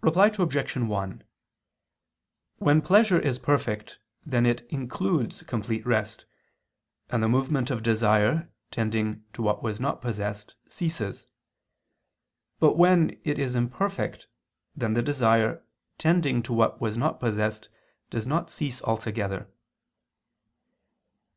Reply Obj. 1: When pleasure is perfect, then it includes complete rest; and the movement of desire, tending to what was not possessed, ceases. But when it is imperfect, then the desire, tending to what was not possessed, does not cease altogether.